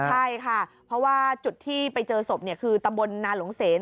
ใช่ค่ะเพราะว่าจุดที่ไปเจอศพคือตำบลนาหลงเสน